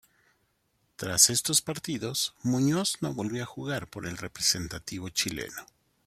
Tras estos partidos, Muñoz no volvió a jugar por el representativo chileno.